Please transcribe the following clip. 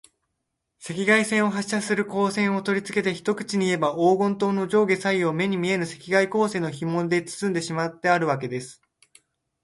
赤外線を発射する光線をとりつけて、一口にいえば、黄金塔の上下左右を、目に見えぬ赤外光線のひもでつつんでしまってあるわけです。